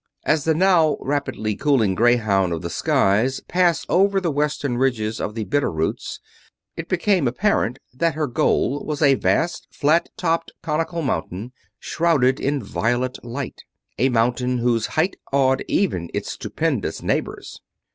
As the now rapidly cooling greyhound of the skies passed over the western ranges of the Bitter Roots it became apparent that her goal was a vast, flat topped, conical mountain, shrouded in violet light; a mountain whose height awed even its stupendous neighbors.